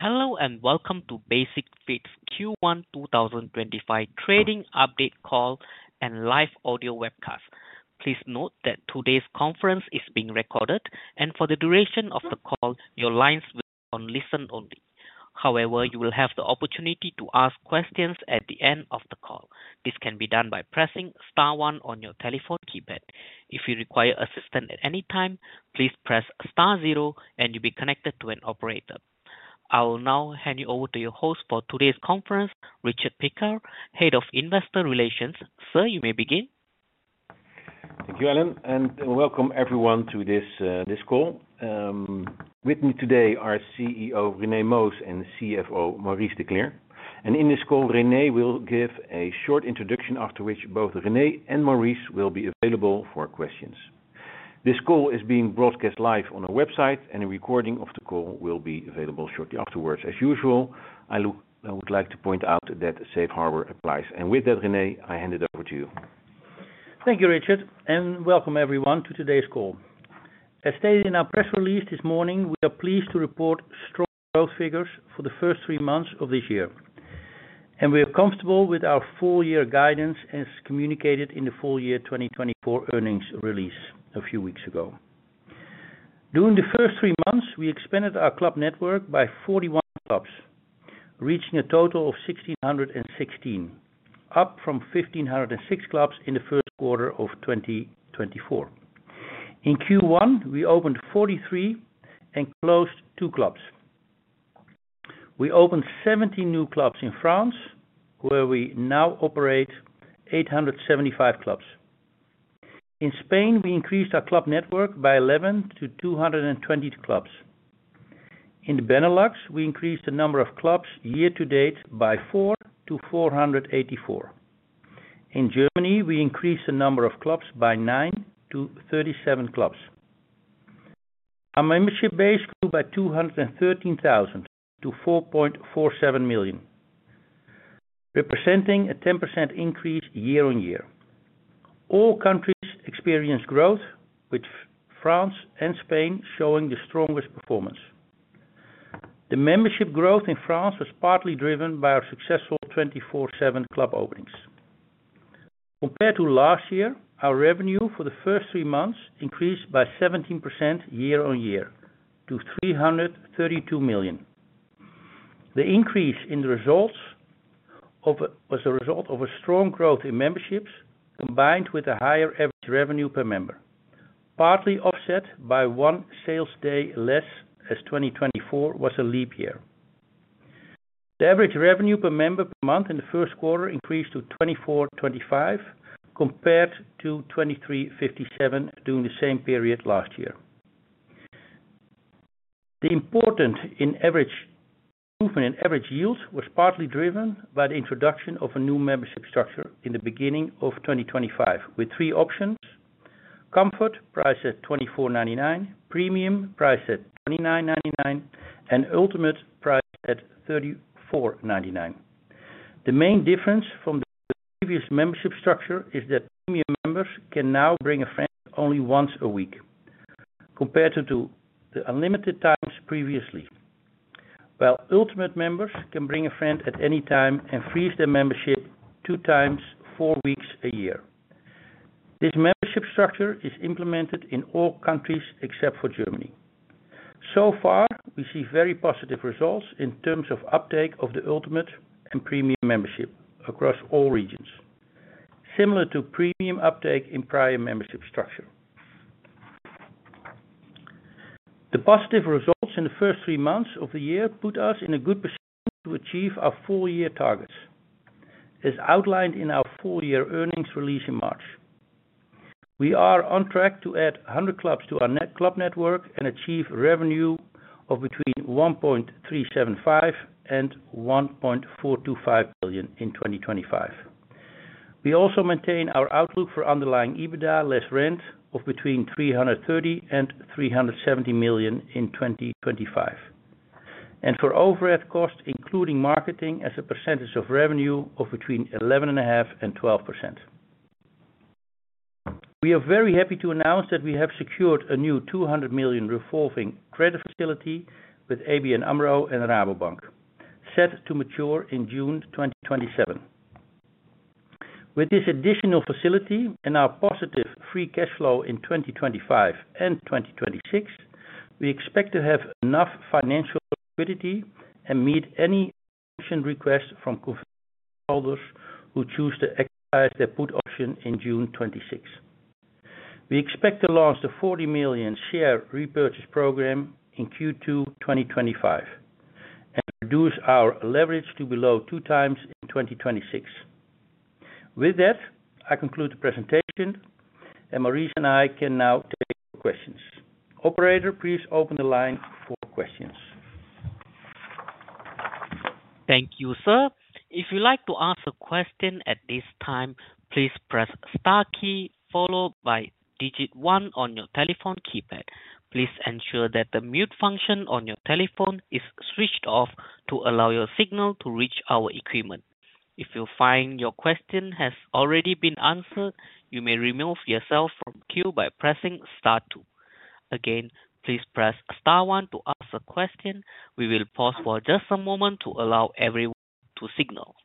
Hello and welcome to Basic-Fit Q1 2025 trading update call and live audio webcast. Please note that today's conference is being recorded, and for the duration of the call, your lines will be on listen only. However, you will have the opportunity to ask questions at the end of the call. This can be done by pressing star one on your telephone keypad. If you require assistance at any time, please press star zero, and you'll be connected to an operator. I will now hand you over to your host for today's conference, Richard Piekaar, Head of Investor Relations. Sir, you may begin. Thank you, Alan, and welcome everyone to this call. With me today are CEO René Moos and CFO Maurice de Kleer. In this call, René will give a short introduction, after which both René and Maurice will be available for questions. This call is being broadcast live on our website, and a recording of the call will be available shortly afterwards. As usual, I would like to point out that Safe Harbor applies. With that, René, I hand it over to you. Thank you, Richard, and welcome everyone to today's call. As stated in our press release this morning, we are pleased to report strong growth figures for the first three months of this year. We are comfortable with our full-year guidance as communicated in the full-year 2024 earnings release a few weeks ago. During the first three months, we expanded our club network by 41 clubs, reaching a total of 1,616, up from 1,506 clubs in the first quarter of 2024. In Q1, we opened 43 and closed two clubs. We opened 17 new clubs in France, where we now operate 875 clubs. In Spain, we increased our club network by 11 to 220 clubs. In the Benelux, we increased the number of clubs year-to-date by four to 484. In Germany, we increased the number of clubs by nine to 37 clubs. Our membership base grew by 213,000 to 4.47 million, representing a 10% increase year-on-year. All countries experienced growth, with France and Spain showing the strongest performance. The membership growth in France was partly driven by our successful 24/7 club openings. Compared to last year, our revenue for the first three months increased by 17% year-on-year to 332 million. The increase in the results was a result of a strong growth in memberships combined with a higher average revenue per member, partly offset by one sales day less as 2024 was a leap year. The average revenue per member per month in the first quarter increased to 24.25 compared to 23.57 during the same period last year. The important improvement in average yields was partly driven by the introduction of a new membership structure in the beginning of 2025, with three options: Comfort priced at EUR 2,499, Premium priced at EUR 2,999, and Ultimate priced at EUR 3,499. The main difference from the previous membership structure is that Premium members can now bring a friend only once a week, compared to the unlimited times previously, while Ultimate members can bring a friend at any time and freeze their membership two times four weeks a year. This membership structure is implemented in all countries except for Germany. So far, we see very positive results in terms of uptake of the Ultimate and Premium membership across all regions, similar to Premium uptake in prior membership structure. The positive results in the first three months of the year put us in a good position to achieve our full-year targets, as outlined in our full-year earnings release in March. We are on track to add 100 clubs to our club network and achieve a revenue of between 1.375 billion and 1.425 billion in 2025. We also maintain our outlook for underlying EBITDA less rent of between 330 million and 370 million in 2025, and for overhead costs, including marketing, as a percentage of revenue of between 11.5% and 12%. We are very happy to announce that we have secured a new 200 million revolving credit facility with ABN AMRO and Rabobank, set to mature in June 2027. With this additional facility and our positive free cash flow in 2025 and 2026, we expect to have enough financial liquidity and meet any option requests from convertible holders who choose to exercise their put option in June 2026. We expect to launch the 40 million share repurchase program in Q2 2025 and reduce our leverage to below two times in 2026. With that, I conclude the presentation, and Maurice and I can now take your questions. Operator, please open the line for questions. Thank you, sir. If you'd like to ask a question at this time, please press the star key followed by digit one on your telephone keypad. Please ensure that the mute function on your telephone is switched off to allow your signal to reach our equipment. If you find your question has already been answered, you may remove yourself from the queue by pressing star two. Again, please press star one to ask a question. We will pause for just a moment to allow everyone to signal.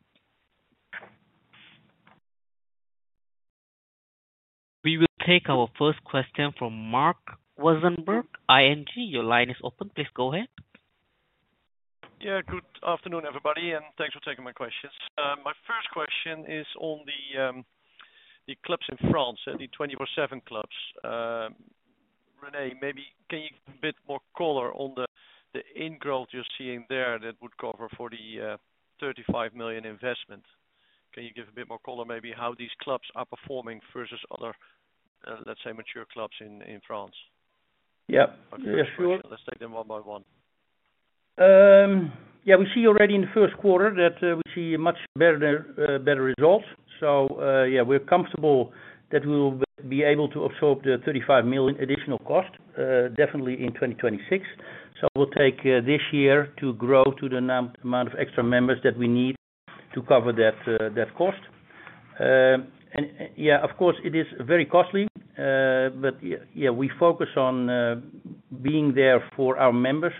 We will take our first question from Marc Zwartsenburg, ING. Your line is open. Please go ahead. Yeah, good afternoon, everybody, and thanks for taking my questions. My first question is on the clubs in France, the 24/7 clubs. René, maybe can you give a bit more color on the ingrowth you're seeing there that would cover for the 35 million investment? Can you give a bit more color, maybe, how these clubs are performing versus other, let's say, mature clubs in France? Yeah, yeah, sure. Let's take them one by one. Yeah, we see already in the first quarter that we see much better results. Yeah, we're comfortable that we will be able to absorb the 35 million additional cost, definitely in 2026. We'll take this year to grow to the amount of extra members that we need to cover that cost. Yeah, of course, it is very costly, but yeah, we focus on being there for our members.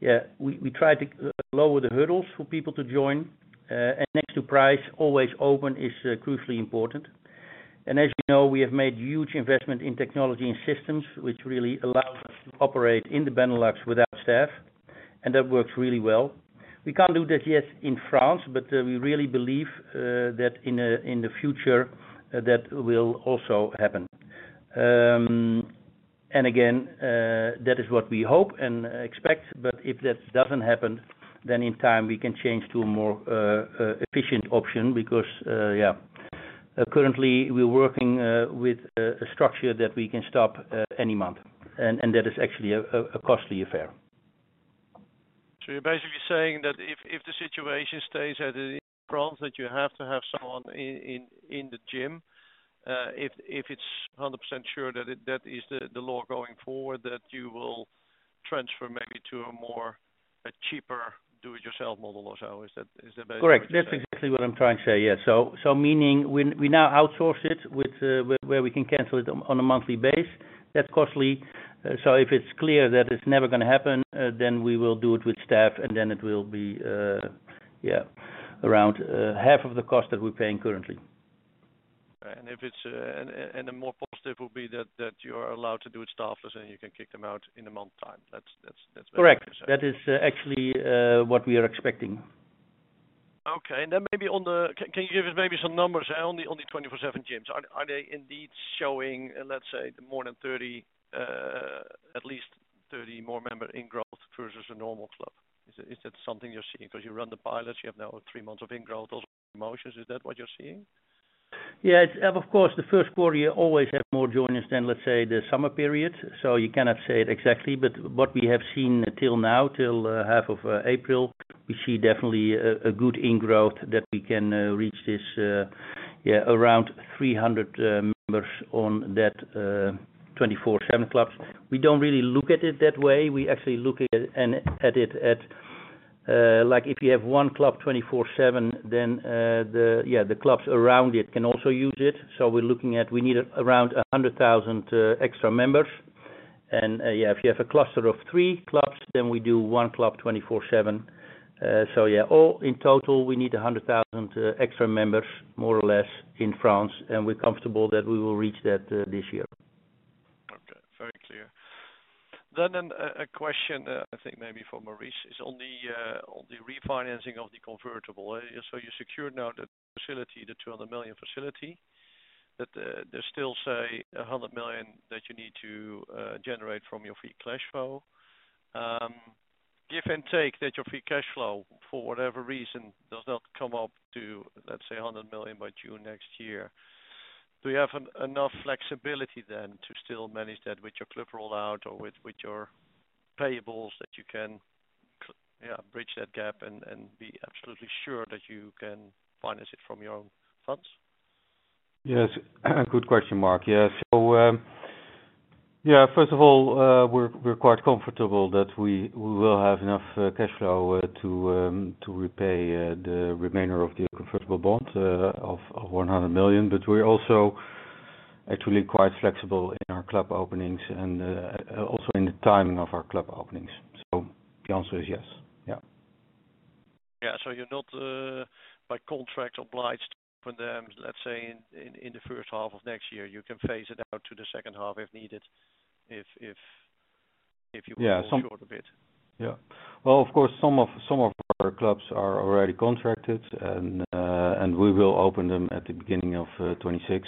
Yeah, we try to lower the hurdles for people to join. Next to price, always open is crucially important. As you know, we have made huge investment in technology and systems, which really allows us to operate in the Benelux without staff, and that works really well. We can't do that yet in France, but we really believe that in the future that will also happen. Again, that is what we hope and expect. If that does not happen, then in time we can change to a more efficient option because, yeah, currently we are working with a structure that we can stop any month, and that is actually a costly affair. You're basically saying that if the situation stays as it is in France, that you have to have someone in the gym. If it's 100% sure that that is the law going forward, that you will transfer maybe to a more cheaper do-it-yourself model or so, is that basically what you're saying? Correct. That's exactly what I'm trying to say, yes. Meaning we now outsource it where we can cancel it on a monthly base. That's costly. If it's clear that it's never going to happen, then we will do it with staff, and then it will be around half of the cost that we're paying currently. If it's—and the more positive would be that you're allowed to do it staffless, and you can kick them out in a month's time. That's basically what you're saying? Correct. That is actually what we are expecting. Okay. Maybe on the—can you give us maybe some numbers? On the 24/7 gyms, are they indeed showing, let's say, more than 30, at least 30 more member ingrowth versus a normal club? Is that something you're seeing? Because you run the pilots, you have now three months of ingrowth, also promotions. Is that what you're seeing? Yeah. Of course, the first quarter you always have more joiners than, let's say, the summer period. You cannot say it exactly, but what we have seen till now, till half of April, we see definitely a good ingrowth that we can reach this, yeah, around 300 members on that 24/7 clubs. We do not really look at it that way. We actually look at it like if you have one club 24/7, then the, yeah, the clubs around it can also use it. We are looking at we need around 100,000 extra members. Yeah, if you have a cluster of three clubs, then we do one club 24/7. All in total, we need 100,000 extra members, more or less, in France, and we are comfortable that we will reach that this year. Okay. Very clear. A question, I think maybe for Maurice, is on the refinancing of the convertible. You secured now the facility, the 200 million facility, that there is still, say, 100 million that you need to generate from your free cash flow. Give and take that your free cash flow, for whatever reason, does not come up to, let's say, 100 million by June next year. Do you have enough flexibility then to still manage that with your club rollout or with your payables that you can, yeah, bridge that gap and be absolutely sure that you can finance it from your own funds? Yes. Good question, Marc. Yeah. First of all, we're quite comfortable that we will have enough cash flow to repay the remainder of the convertible bond of 100 million, but we're also actually quite flexible in our club openings and also in the timing of our club openings. The answer is yes. Yeah. Yeah. You are not by contract obliged to open them, let's say, in the first half of next year. You can phase it out to the second half if needed if you want to short a bit. Of course, some of our clubs are already contracted, and we will open them at the beginning of 2026,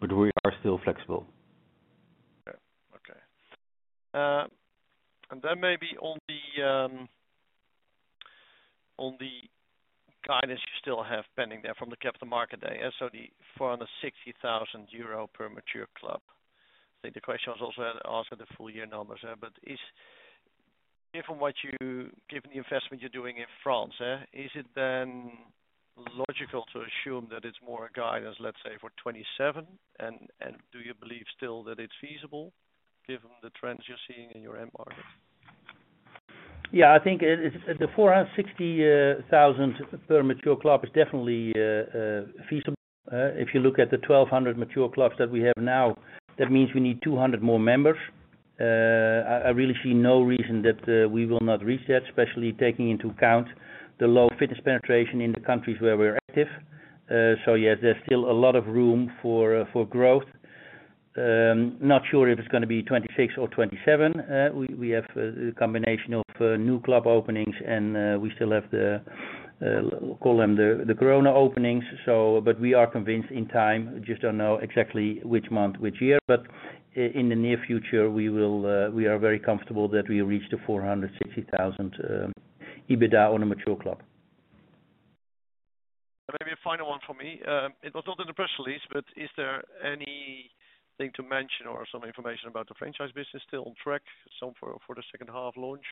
but we are still flexible. Yeah. Okay. Then maybe on the guidance you still have pending there from the capital market, so the 460,000 euro per mature club. I think the question was also asked at the full-year numbers, but given the investment you're doing in France, is it logical to assume that it's more guidance, let's say, for 2027? Do you believe still that it's feasible given the trends you're seeing in your end market? Yeah. I think the 460,000 per mature club is definitely feasible. If you look at the 1,200 mature clubs that we have now, that means we need 200 more members. I really see no reason that we will not reach that, especially taking into account the low fitness penetration in the countries where we're active. Yes, there's still a lot of room for growth. Not sure if it's going to be 2026 or 2027. We have a combination of new club openings, and we still have the, call them, the Corona openings. We are convinced in time. Just don't know exactly which month, which year, but in the near future, we are very comfortable that we reach the 460,000 EBITDA on a mature club. Maybe a final one for me. It was not in the press release, but is there anything to mention or some information about the franchise business still on track for the second half launch?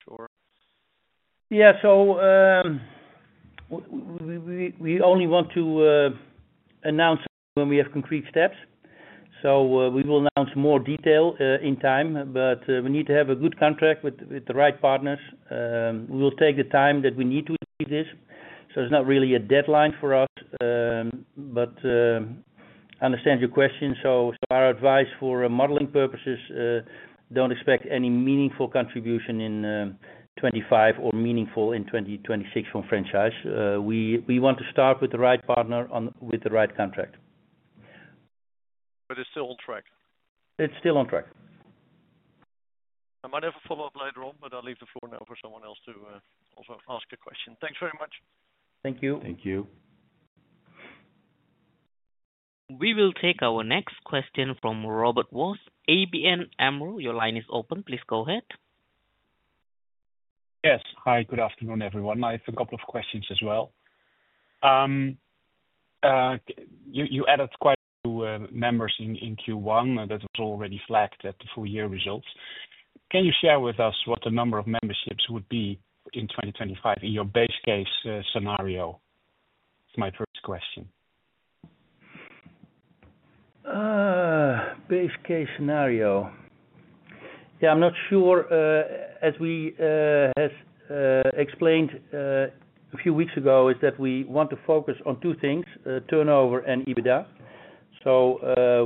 Yeah. We only want to announce when we have concrete steps. We will announce more detail in time, but we need to have a good contract with the right partners. We will take the time that we need to achieve this. There is not really a deadline for us, but I understand your question. Our advice for modeling purposes, do not expect any meaningful contribution in 2025 or meaningful in 2026 from franchise. We want to start with the right partner with the right contract. It is still on track? It's still on track. I might have a follow-up later on, but I'll leave the floor now for someone else to also ask a question. Thanks very much. Thank you. Thank you. We will take our next question from Robert Vos, ABN AMRO. Your line is open. Please go ahead. Yes. Hi, good afternoon, everyone. I have a couple of questions as well. You added quite a few members in Q1, and that was already flagged at the full-year results. Can you share with us what the number of memberships would be in 2025 in your base case scenario? It's my first question. Base case scenario. Yeah, I'm not sure. As we have explained a few weeks ago, is that we want to focus on two things, turnover and EBITDA.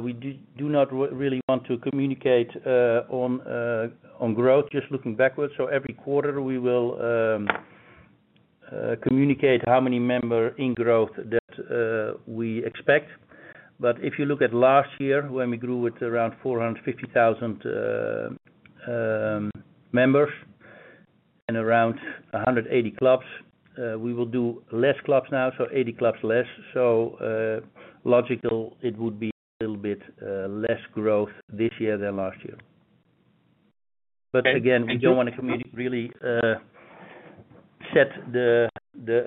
We do not really want to communicate on growth, just looking backwards. Every quarter, we will communicate how many member ingrowth that we expect. If you look at last year, when we grew with around 450,000 members and around 180 clubs, we will do less clubs now, so 80 clubs less. Logical, it would be a little bit less growth this year than last year. Again, we don't want to really set the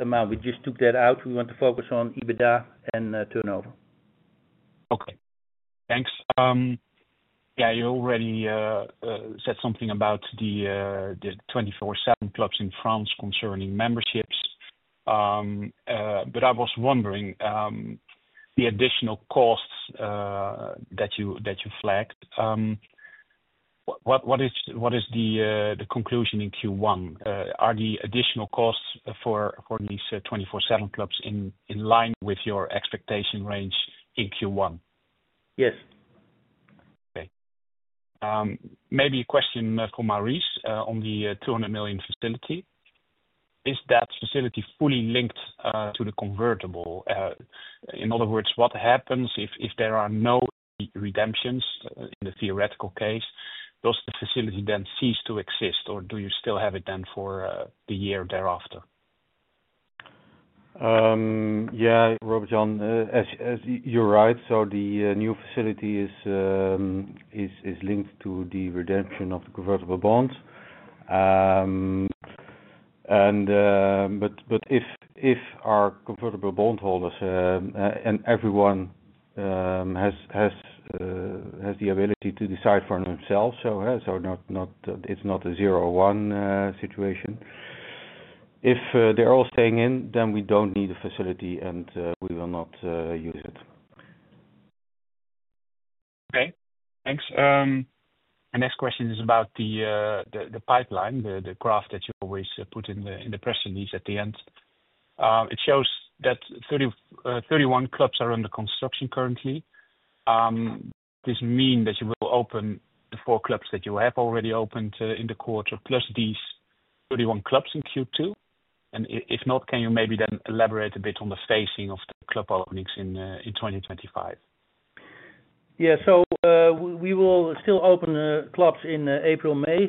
amount. We just took that out. We want to focus on EBITDA and turnover. Okay. Thanks. Yeah, you already said something about the 24/7 clubs in France concerning memberships. I was wondering, the additional costs that you flagged, what is the conclusion in Q1? Are the additional costs for these 24/7 clubs in line with your expectation range in Q1? Yes. Okay. Maybe a question for Maurice on the 200 million facility. Is that facility fully linked to the convertible? In other words, what happens if there are no redemptions in the theoretical case? Does the facility then cease to exist, or do you still have it then for the year thereafter? Yeah, Robert Jan, as you're right, the new facility is linked to the redemption of the convertible bonds. If our convertible bondholders and everyone has the ability to decide for themselves, it's not a zero-one situation. If they're all staying in, then we don't need a facility, and we will not use it. Okay. Thanks. My next question is about the pipeline, the graph that you always put in the press release at the end. It shows that 31 clubs are under construction currently. Does this mean that you will open the four clubs that you have already opened in the quarter plus these 31 clubs in Q2? If not, can you maybe then elaborate a bit on the phasing of the club openings in 2025? Yeah. We will still open clubs in April, May,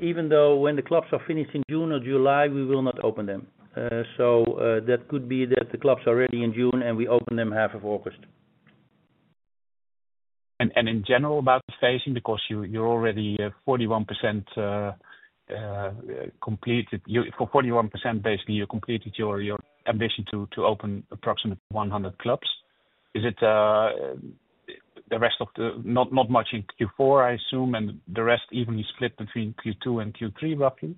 even though when the clubs are finished in June or July, we will not open them. That could be that the clubs are ready in June, and we open them half of August. In general, about the phasing, because you're already 41% completed, for 41%, basically, you completed your ambition to open approximately 100 clubs. Is it the rest of the not much in Q4, I assume, and the rest evenly split between Q2 and Q3 roughly?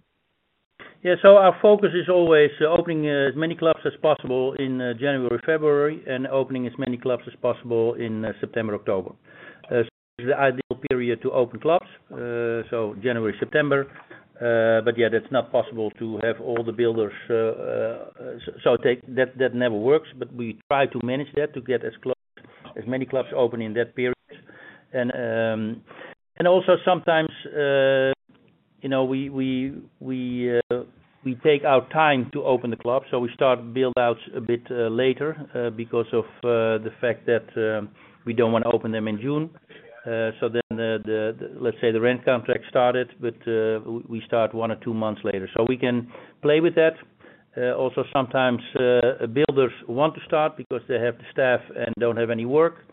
Yeah. Our focus is always opening as many clubs as possible in January, February, and opening as many clubs as possible in September, October. It is the ideal period to open clubs, so January, September. That is not possible to have all the builders. That never works, but we try to manage that to get as close as many clubs open in that period. Also, sometimes we take our time to open the club, so we start build-outs a bit later because of the fact that we do not want to open them in June. The rent contract started, but we start one or two months later. We can play with that. Also, sometimes builders want to start because they have the staff and do not have any work.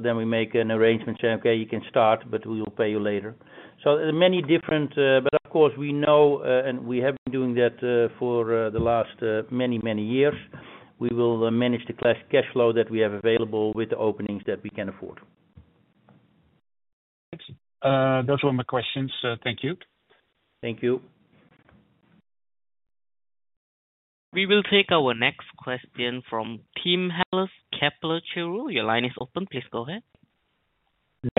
Then we make an arrangement, saying, "Okay, you can start, but we will pay you later." There are many different, but of course, we know, and we have been doing that for the last many, many years. We will manage the cash flow that we have available with the openings that we can afford. Thanks. Those were my questions. Thank you. Thank you. We will take our next question from Tim Ehlers, Kepler Cheuvreux. Your line is open. Please go ahead.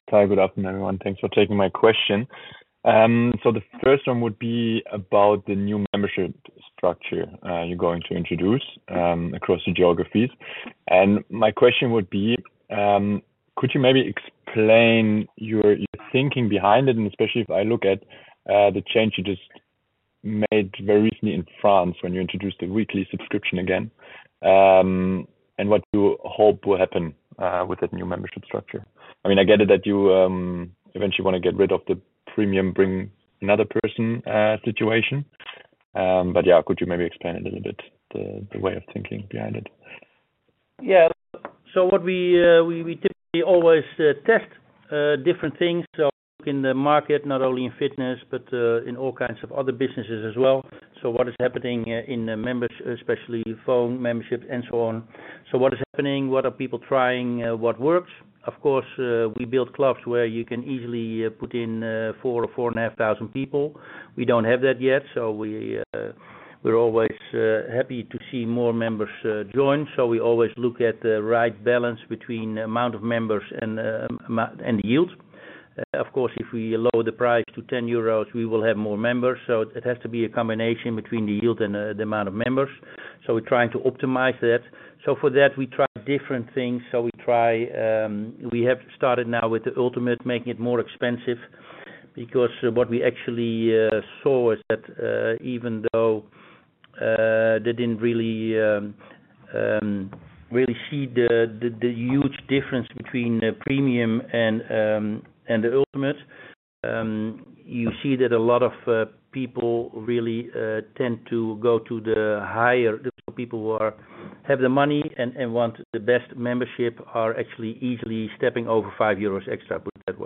Hi, good afternoon, everyone. Thanks for taking my question. The first one would be about the new membership structure you're going to introduce across the geographies. My question would be, could you maybe explain your thinking behind it, and especially if I look at the change you just made very recently in France when you introduced the weekly subscription again, and what you hope will happen with that new membership structure? I mean, I get it that you eventually want to get rid of the premium bring another person situation. Could you maybe explain a little bit the way of thinking behind it? Yeah. What we typically always test is different things. We look in the market, not only in fitness, but in all kinds of other businesses as well. What is happening in the members, especially phone membership and so on. What is happening? What are people trying? What works? Of course, we build clubs where you can easily put in 4,000 or 4,500 people. We do not have that yet, so we are always happy to see more members join. We always look at the right balance between the amount of members and the yield. Of course, if we lower the price to 10 euros, we will have more members. It has to be a combination between the yield and the amount of members. We are trying to optimize that. For that, we try different things. We have started now with the Ultimate, making it more expensive because what we actually saw is that even though they did not really see the huge difference between the Premium and the Ultimate, you see that a lot of people really tend to go to the higher. People who have the money and want the best membership are actually easily stepping over 5 euros extra, put it that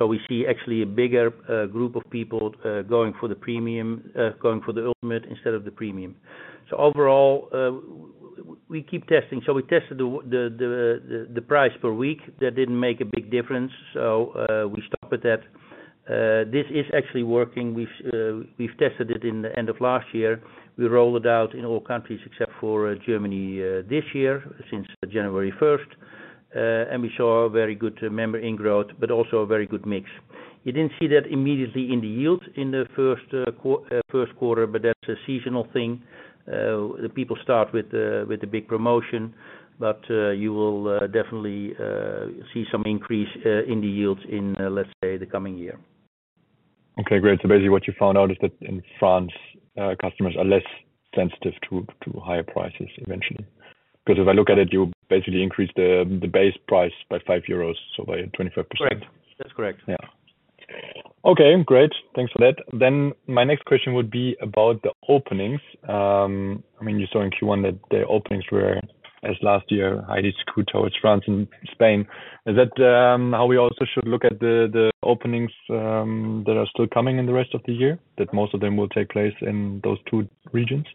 way. We see actually a bigger group of people going for the Premium, going for the Ultimate instead of the Premium. Overall, we keep testing. We tested the price per week. That did not make a big difference, so we stopped at that. This is actually working. We have tested it in the end of last year. We rolled it out in all countries except for Germany this year since January 1st, and we saw a very good member ingrowth, but also a very good mix. You did not see that immediately in the yield in the first quarter, but that is a seasonal thing. The people start with the big promotion, but you will definitely see some increase in the yields in, let's say, the coming year. Okay. Great. Basically, what you found out is that in France, customers are less sensitive to higher prices eventually. Because if I look at it, you basically increased the base price by 5 euros, so by 25%. Correct. That's correct. Yeah. Okay. Great. Thanks for that. My next question would be about the openings. I mean, you saw in Q1 that the openings were, as last year, highly skewed towards France and Spain. Is that how we also should look at the openings that are still coming in the rest of the year, that most of them will take place in those two regions?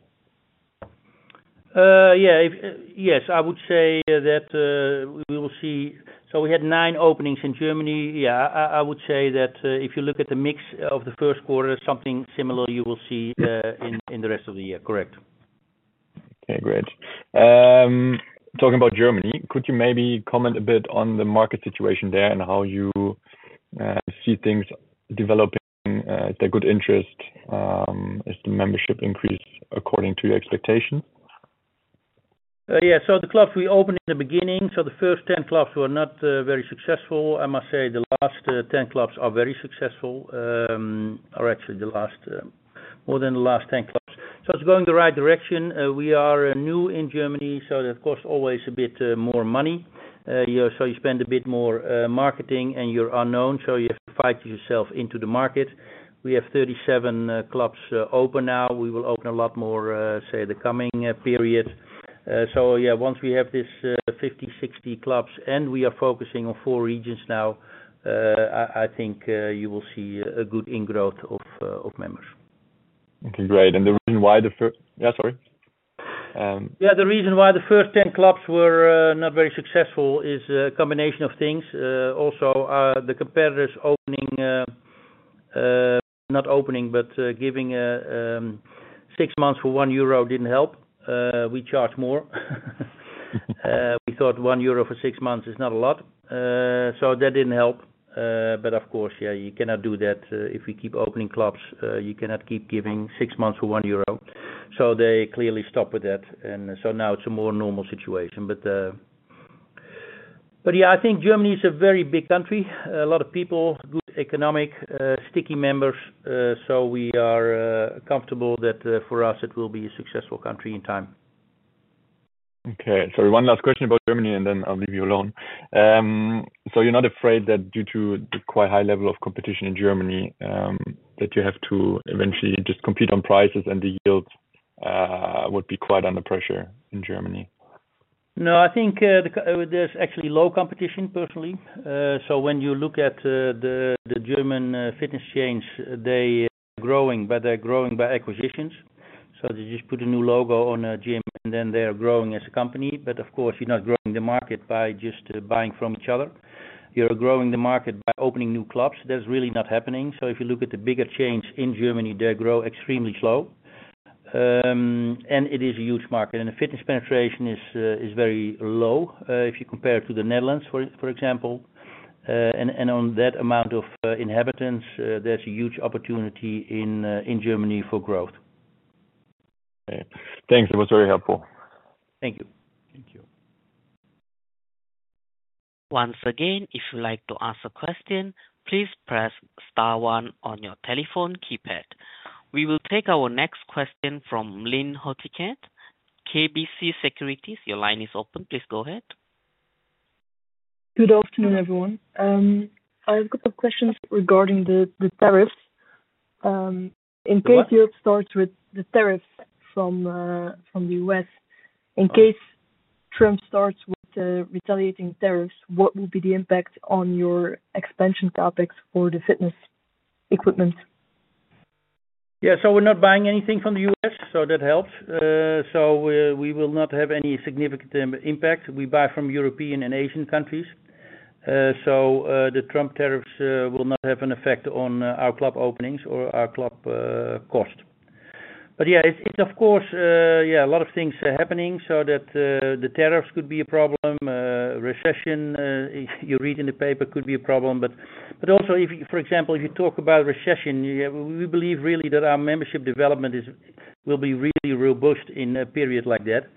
Yeah. Yes. I would say that we will see, so we had nine openings in Germany. Yeah. I would say that if you look at the mix of the first quarter, something similar you will see in the rest of the year. Correct. Okay. Great. Talking about Germany, could you maybe comment a bit on the market situation there and how you see things developing? Is there good interest? Is the membership increase according to your expectations? Yeah. The clubs we opened in the beginning, so the first 10 clubs were not very successful. I must say the last 10 clubs are very successful, or actually more than the last 10 clubs. It is going the right direction. We are new in Germany, so it costs always a bit more money. You spend a bit more on marketing, and you are unknown, so you have to fight yourself into the market. We have 37 clubs open now. We will open a lot more, say, the coming period. Once we have this 50-60 clubs, and we are focusing on four regions now, I think you will see a good ingrowth of members. Okay. Great. The reason why the first yeah, sorry. Yeah. The reason why the first 10 clubs were not very successful is a combination of things. Also, the competitors giving six months for 1 euro did not help. We charge more. We thought 1 euro for six months is not a lot. That did not help. Of course, you cannot do that. If we keep opening clubs, you cannot keep giving six months for 1 euro. They clearly stopped with that. Now it is a more normal situation. I think Germany is a very big country. A lot of people, good economic, sticky members. We are comfortable that for us, it will be a successful country in time. Okay. Sorry, one last question about Germany, and then I'll leave you alone. You're not afraid that due to the quite high level of competition in Germany, that you have to eventually just compete on prices and the yields would be quite under pressure in Germany? No, I think there's actually low competition, personally. When you look at the German fitness chains, they are growing, but they're growing by acquisitions. They just put a new logo on a gym, and then they are growing as a company. Of course, you're not growing the market by just buying from each other. You're growing the market by opening new clubs. That's really not happening. If you look at the bigger chains in Germany, they grow extremely slow. It is a huge market. The fitness penetration is very low if you compare it to the Netherlands, for example. On that amount of inhabitants, there's a huge opportunity in Germany for growth. Okay. Thanks. That was very helpful. Thank you. Thank you. Once again, if you'd like to ask a question, please press star one on your telephone keypad. We will take our next question from Lynn Hautekeete, KBC Securities. Your line is open. Please go ahead. Good afternoon, everyone. I have a couple of questions regarding the tariffs. In case Europe starts with the tariffs from the U.S., in case Trump starts with the retaliating tariffs, what will be the impact on your expansion topics for the fitness equipment? Yeah. We're not buying anything from the U.S., so that helps. We will not have any significant impact. We buy from European and Asian countries. The Trump tariffs will not have an effect on our club openings or our club cost. Of course, a lot of things are happening, so the tariffs could be a problem. Recession, you read in the paper, could be a problem. Also, for example, if you talk about recession, we believe really that our membership development will be really robust in a period like that.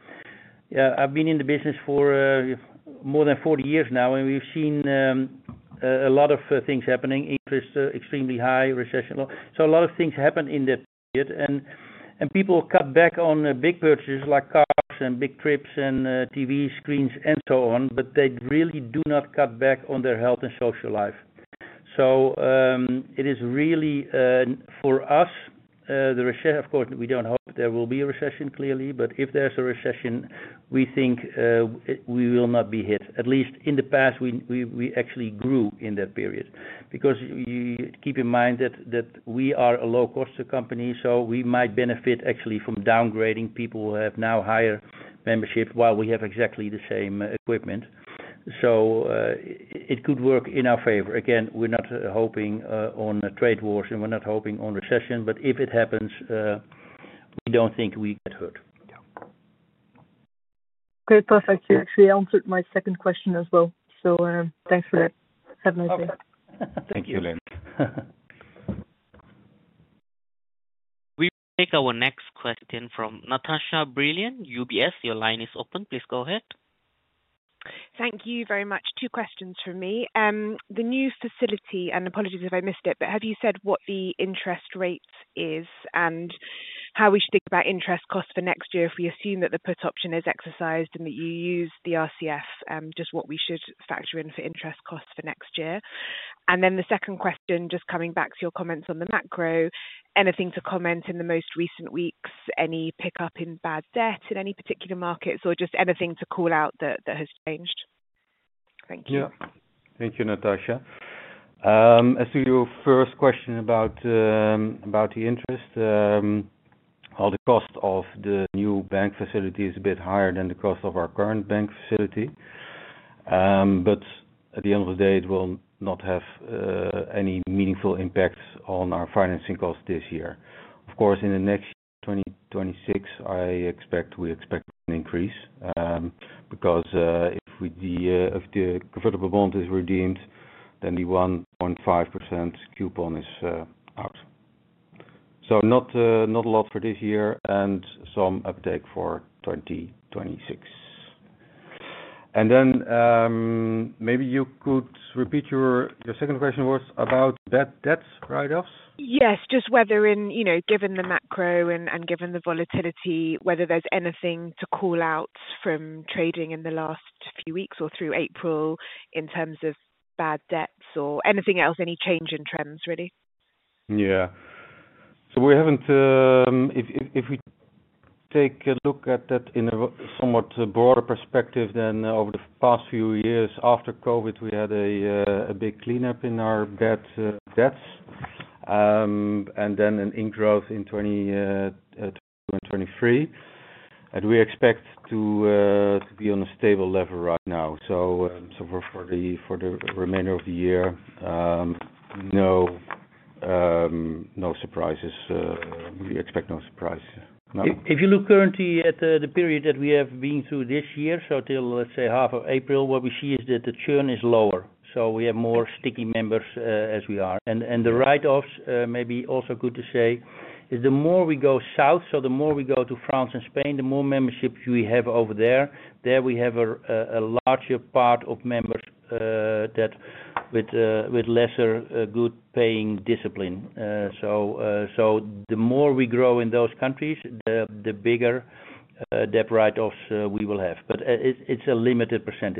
I've been in the business for more than 40 years now, and we've seen a lot of things happening. Interest extremely high, recession low. A lot of things happen in that period. People cut back on big purchases like cars and big trips and TV screens and so on, but they really do not cut back on their health and social life. It is really, for us, the recession, of course, we do not hope there will be a recession, clearly. If there is a recession, we think we will not be hit. At least in the past, we actually grew in that period. Keep in mind that we are a low-cost company, so we might benefit actually from downgrading. People have now higher membership while we have exactly the same equipment. It could work in our favor. Again, we are not hoping on trade wars, and we are not hoping on recession. If it happens, we do not think we get hurt. Okay. Perfect. You actually answered my second question as well. Thanks for that. Have a nice day. Thank you, Lynn. We will take our next question from Natasha Brilliant, UBS. Your line is open. Please go ahead. Thank you very much. Two questions from me. The new facility, and apologies if I missed it, but have you said what the interest rate is and how we should think about interest costs for next year if we assume that the put option is exercised and that you use the RCF, just what we should factor in for interest costs for next year? The second question, just coming back to your comments on the macro, anything to comment in the most recent weeks, any pickup in bad debt in any particular markets, or just anything to call out that has changed? Thank you. Yeah. Thank you, Natasha. As to your first question about the interest, the cost of the new bank facility is a bit higher than the cost of our current bank facility. At the end of the day, it will not have any meaningful impact on our financing costs this year. Of course, in the next year, 2026, I expect we expect an increase because if the convertible bond is redeemed, the 1.5% coupon is out. Not a lot for this year and some uptake for 2026. Maybe you could repeat your second question was about debt write-offs? Yes. Just whether in given the macro and given the volatility, whether there is anything to call out from trading in the last few weeks or through April in terms of bad debts or anything else, any change in trends, really? Yeah. If we take a look at that in a somewhat broader perspective than over the past few years, after COVID, we had a big cleanup in our debts and then an ingrowth in 2022 and 2023. We expect to be on a stable level right now. For the remainder of the year, no surprises. We expect no surprise. If you look currently at the period that we have been through this year, till, let's say, half of April, what we see is that the churn is lower. We have more sticky members as we are. The write-offs, maybe also good to say, the more we go south, the more we go to France and Spain, the more membership we have over there. There we have a larger part of members with lesser good-paying discipline. The more we grow in those countries, the bigger debt write-offs we will have. It is a limited %.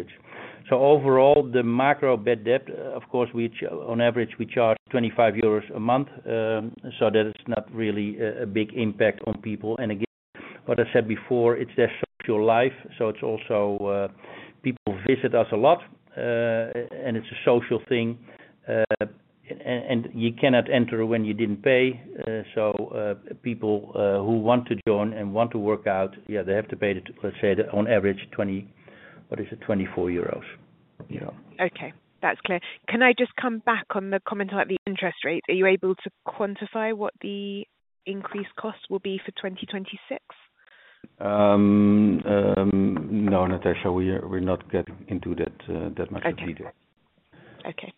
Overall, the macro bad debt, of course, on average, we charge 25 euros a month. That is not really a big impact on people. Again, what I said before, it is their social life. It is also people visit us a lot, and it is a social thing. You cannot enter when you did not pay. People who want to join and want to work out, yeah, they have to pay it, let us say, on average, what is it, 24 euros. Yeah. Okay. That's clear. Can I just come back on the comment about the interest rate? Are you able to quantify what the increased cost will be for 2026? No, Natasha. We're not getting into that much in detail. Okay.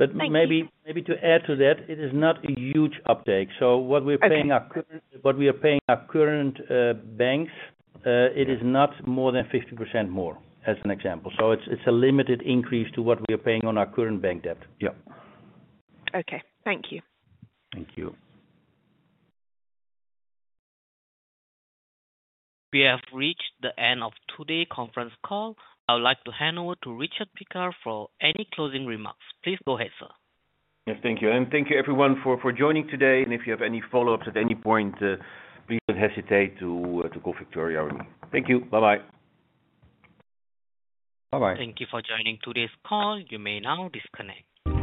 Okay. Maybe to add to that, it is not a huge uptake. What we are paying our current banks, it is not more than 50% more, as an example. It is a limited increase to what we are paying on our current bank debt. Yeah. Okay. Thank you. Thank you. We have reached the end of today's conference call. I would like to hand over to Richard Piekaar for any closing remarks. Please go ahead, sir. Yes. Thank you. Thank you, everyone, for joining today. If you have any follow-ups at any point, please do not hesitate to call Victoria or me. Thank you. Bye-bye. Bye-bye. Thank you for joining today's call. You may now disconnect.